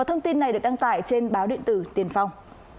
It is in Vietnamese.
thông tin này được đăng tải trên báo điện tử tiền phong